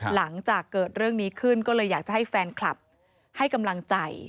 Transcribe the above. หลังจากเกิดเรื่องนี้ขึ้นก็เลยอยากจะให้แฟนคลับให้กำลังใจ